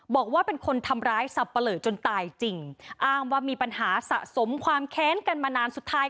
บอกว่าเป็นคนทำร้ายสับปะเหลอจนตายจริงอ้างว่ามีปัญหาสะสมความแค้นกันมานานสุดท้าย